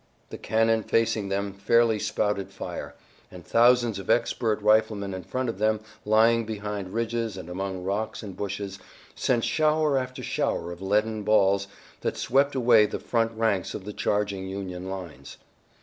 The cannon facing them fairly spouted fire, and thousands of expert riflemen in front of them lying behind ridges and among rocks and bushes sent shower after shower of leaden balls that swept away the front ranks of the charging Union lines.